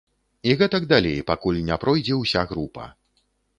І гэтак далей, пакуль не пройдзе ўся група.